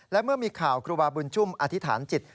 และเมื่อมีข่าวครูบาบุญชุ่มอธิษฐานจิต